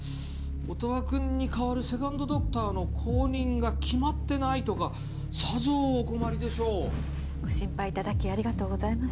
音羽君に代わるセカンドドクターの後任が決まってないとかさぞお困りでしょうご心配いただきありがとうございます